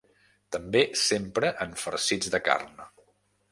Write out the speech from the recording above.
També s'empra en farcits de carn.